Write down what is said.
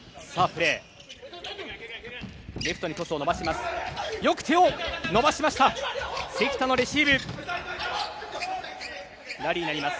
レフトにトスを伸ばします。